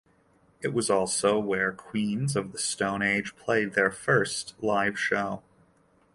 It was also where Queens of the Stone Age played their first live show.